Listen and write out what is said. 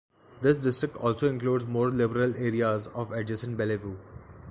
This district also includes more liberal areas of adjacent Bellevue.